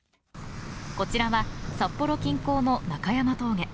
こちらは札幌近郊の中山峠。